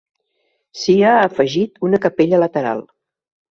S'hi ha afegit una capella lateral.